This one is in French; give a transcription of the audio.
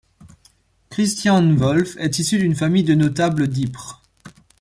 Christiaan Wolf est issu d'une famille de notable d'Ypres.